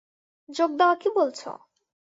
যোগ দেওয়া কী বলছ!